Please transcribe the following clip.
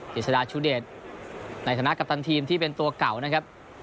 กิจสดาชูเดชในฐานะกัปตันทีมที่เป็นตัวเก่านะครับ